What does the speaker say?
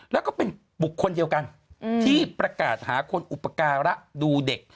แล้วก็เป็นบุคคลเดียวกันที่ประกาศหาคนอุปการะดูเด็ก